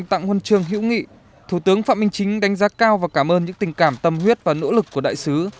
tặng huân trường hữu nghị thủ tướng phạm minh chính đánh giá cao và cảm ơn những tình cảm tâm huyết và nỗ lực của đại sứ